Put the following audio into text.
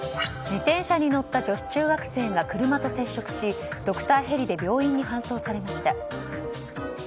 自転車に乗った女子中学生が車と接触しドクターヘリで病院に搬送されました。